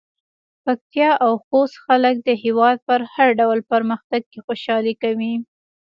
پکتيا او خوست خلک د هېواد په هر ډول پرمختګ کې خوشحالي کوي.